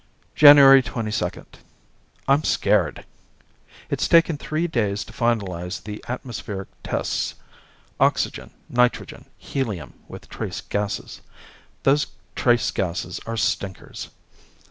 January 22 I'm scared. It's taken three days to finalize the atmospheric tests. Oxygen, nitrogen, helium, with trace gases. Those trace gases are stinkers.